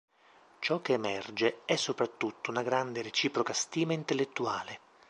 Ciò che emerge è soprattutto una grande e reciproca stima intellettuale.